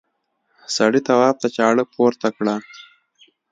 سړي تواب ته چاړه پورته کړه.